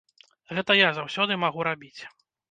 Гэта я заўсёды магу рабіць.